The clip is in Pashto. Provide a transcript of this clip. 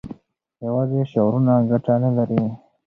یوازې شعارونه ګټه نه لري.